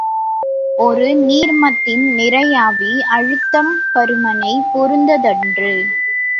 ஒரு நீர்மத்தின் நிறையாவி அழுத்தம் பருமனைப் பொறுத்ததன்று.